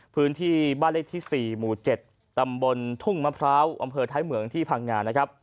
พื้นที่บ้านเลขที่๔หมู่๗ตำบลทุ่งมะพร้าวอำเภอท้ายเหมืองที่พังงานะครับ